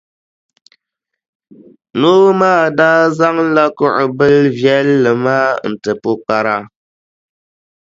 Noo maa daa zaŋla kuɣʼ bilʼ viɛlli maa n-ti pukpara.